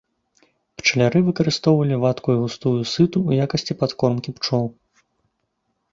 Пчаляры выкарыстоўвалі вадкую і густую сыту ў якасці падкормкі пчол.